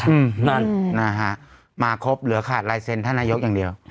นั่นนะฮะมาครบเหลือขาดลายเซ็นท่านนายกอย่างเดียว